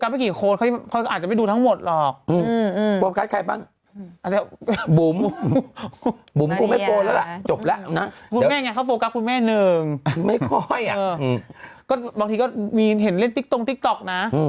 แม่หนึ่งไม่ค่อยอ่ะอือก็บางทีก็มีเห็นเล่นติ๊กตรงติ๊กตอกน่ะ